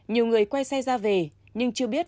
nhiều người quay xe ra về nhưng chưa biết